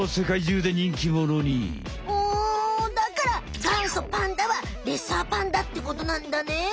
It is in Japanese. うんだからがんそパンダはレッサーパンダってことなんだね。